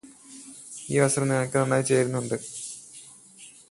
ഈ വസ്ത്രം നിനക്ക് നന്നായി ചേരുന്നുണ്ട്